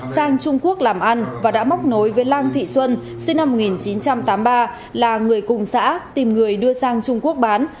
sang trung quốc làm ăn và đã móc nối với lan thị xuân sinh năm một nghìn chín trăm tám mươi ba là người cùng xã tìm người đưa sang trung quốc bán